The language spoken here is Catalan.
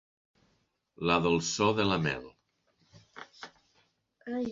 La dolçor de la mel.